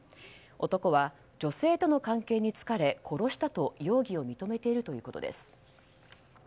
男は女性との関係に疲れ殺したと容疑を認めているということです。